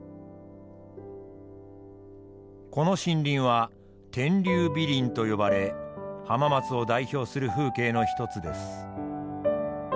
この森林は天竜美林と呼ばれ浜松を代表する風景の一つです。